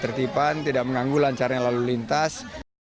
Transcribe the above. tertipan tidak mengganggu lancar yang lalu lintas